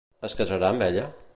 Es casarà amb ella?